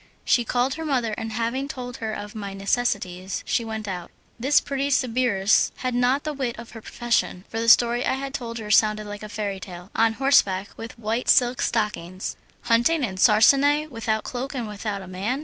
She called her mother, and having told her of my necessities she went out. This pretty sbirress had not the wit of her profession, for the story I had told her sounded like a fairy tale. On horseback with white silk stockings! Hunting in sarcenet, without cloak and without a man!